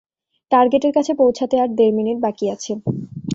টার্গেটর কাছে পৌঁছাতে আর দেড় মিনিট বাকি আছে।